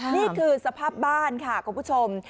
นี่คือสภาพบ้านค่ะคุณผู้ชม